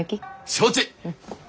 承知！